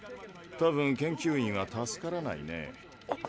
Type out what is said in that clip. たぶん研究員は助からないね。